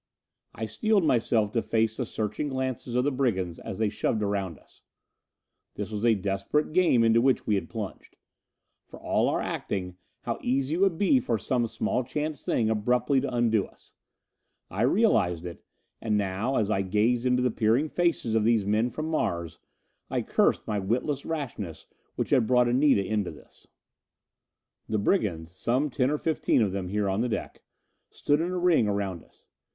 I steeled myself to face the searching glances of the brigands as they shoved around us. This was a desperate game into which we had plunged! For all our acting, how easy it would be for some small chance thing abruptly to undo us! I realized it, and now, as I gazed into the peering faces of these men from Mars, I cursed my witless rashness which had brought Anita into this! The brigands some ten or fifteen of them here on the deck stood in a ring around us.